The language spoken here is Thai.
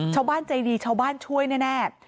ชาวบ้านใจดีชาวบ้านช่วยแน่